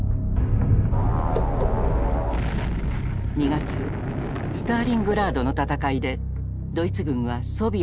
２月スターリングラードの戦いでドイツ軍はソビエトに大敗。